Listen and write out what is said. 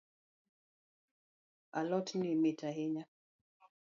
Alotni mit hainya.